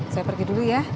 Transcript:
saya pergi dulu ya